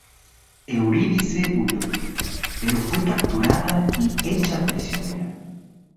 Eurídice huyó, pero fue capturada y hecha prisionera.